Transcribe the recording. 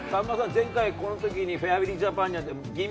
前回この時にフェアリージャパンには。